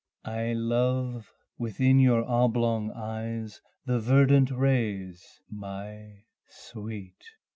II I love within your oblong eyes the verdant rays, My sweet!